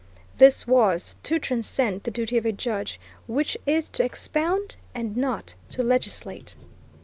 This was to transcend the duty of a judge, which is to expound and not to legislate.